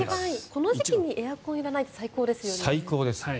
この時期にエアコンがいらないって最高です。